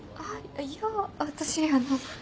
いや私あの。